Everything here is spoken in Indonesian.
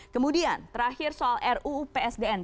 kemudian terakhir soal ruu psdn